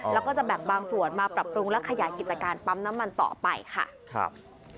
แล้วก็จะแบ่งบางส่วนมาปรับปรุงและขยายกิจการปั๊มน้ำมันต่อไปค่ะครับ